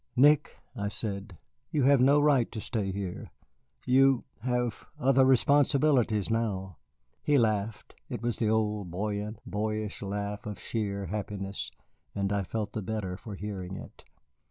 "Nick," I said, "you had no right to stay here. You have other responsibilities now." He laughed. It was the old buoyant, boyish laugh of sheer happiness, and I felt the better for hearing it.